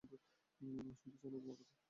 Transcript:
শুনতে চাই না তোমার কথা।